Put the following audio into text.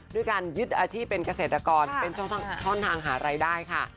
ด้วยการยึดอาชีพเป็นเกษตรกรเป็นช่องทางหารายได้ค่ะ